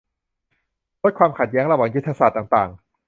ลดความขัดแย้งระหว่างยุทธศาสตร์ต่างต่าง